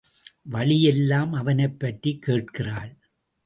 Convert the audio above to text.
வழி எல்லாம் அவனைப்பற்றிக் கேட்கிறாள்.